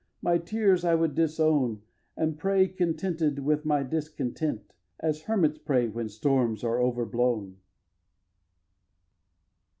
My tears I would disown And pray, contented with my discontent, As hermits pray when storms are overblown.